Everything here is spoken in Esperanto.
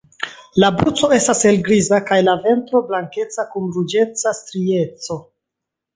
La brusto estas helgriza, kaj la ventro blankeca kun ruĝeca strieco.